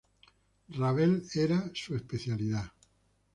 Ravel, era su especialidad.